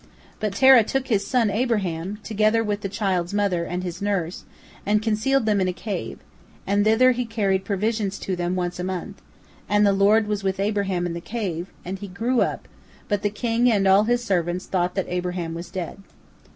But Terah took his son Abraham, together with the child's mother and his nurse, and concealed them in a cave, and thither he carried provisions to them once a month, and the Lord was with Abraham in the cave, and he grew up, but the king and all his servants thought that Abraham was dead.